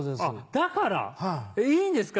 だからえっいいんですか？